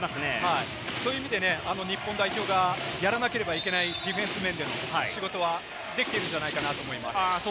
そういう意味で日本代表がやらなければいけないディフェンス面での仕事はできてるんじゃないかなと思います。